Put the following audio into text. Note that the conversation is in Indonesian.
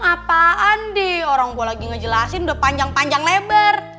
apa andi orang gue lagi ngejelasin udah panjang panjang lebar